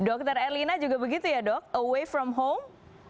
dr erlina juga begitu ya dok away from home